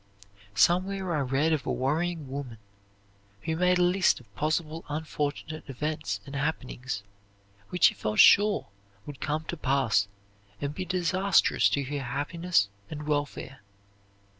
Somewhere I read of a worrying woman who made a list of possible unfortunate events and happenings which she felt sure would come to pass and be disastrous to her happiness and welfare.